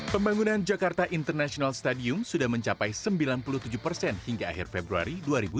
pembangunan jakarta international stadium sudah mencapai sembilan puluh tujuh persen hingga akhir februari dua ribu dua puluh